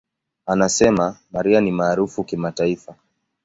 Anasema, "Mariah ni maarufu kimataifa.